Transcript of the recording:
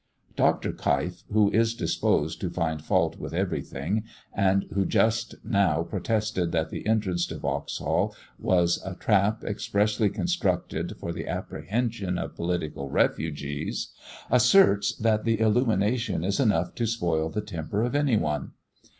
Dr. Keif, who is disposed to find fault with everything, and who just now protested that the entrance to Vauxhall was a trap expressly constructed for the apprehension of political refugees, asserts that the illumination is enough to spoil the temper of any one.